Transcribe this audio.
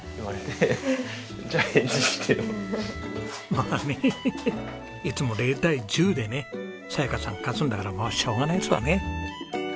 まあねヘヘヘッいつも０対１０でね早矢加さん勝つんだからもうしょうがないですわね。